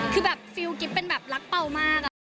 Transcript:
คือแบบฟิลว์กริ๊ปเป็นแบบรักเบาว์มาก